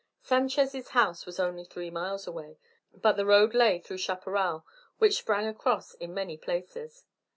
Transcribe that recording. Sanchez' house was only three miles away, but the road lay through chaparral which sprang across in many places.